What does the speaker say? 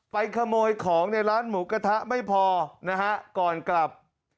ขโมยของในร้านหมูกระทะไม่พอนะฮะก่อนกลับ